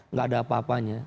tidak ada apa apanya